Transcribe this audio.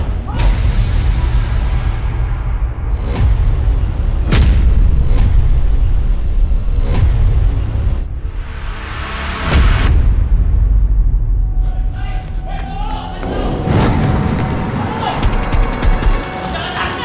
ya ampun ya ampun